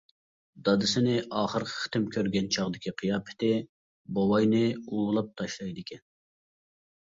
دادىسىنى ئاخىرقى قېتىم كۆرگەن چاغدىكى قىياپىتى بوۋاينى ئۇۋۇلاپ تاشلايدىكەن.